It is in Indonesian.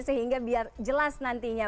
sehingga biar jelas nantinya